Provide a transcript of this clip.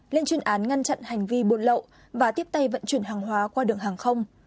lên chuyên án ngăn chặn hành vi buôn lậu và tiếp tay vận chuyển hàng hóa qua đường hàng không